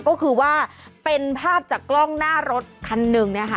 ก็คือว่าเป็นภาพจากกล้องหน้ารถคันหนึ่งนะคะ